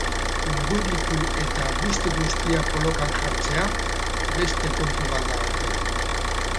Urduritu eta guzti-guztia kolokan jartzea beste kontu bat da ordea.